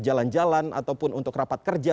jalan jalan ataupun untuk rapat kerja